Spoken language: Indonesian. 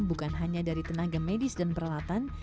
bukan hanya dari tenaga medis dan peralatan